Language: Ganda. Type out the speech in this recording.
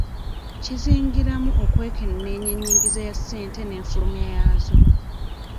Kizingiramu okwekenneenya ennyingiza ya ssente n'enfulumya yaazo.